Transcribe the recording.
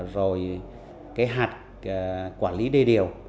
rồi cái hạt quản lý đê điều